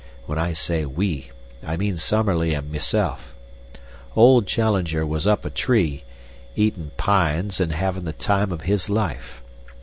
When I say 'we' I mean Summerlee and myself. Old Challenger was up a tree, eatin' pines and havin' the time of his life.